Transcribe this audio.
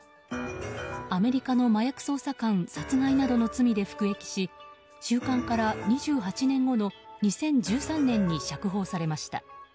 アメリカの麻薬捜査官殺害などの罪で服役し収監から２８年後の２０１３年に釈放されました。